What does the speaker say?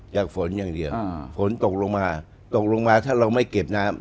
ฝนอย่างเดียวฝนตกลงมาตกลงมาถ้าเราไม่เก็บน้ำ